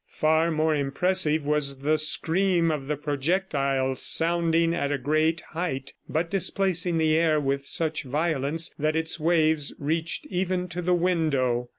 Far more impressive was the scream of the projectile sounding at a great height but displacing the air with such violence that its waves reached even to the window.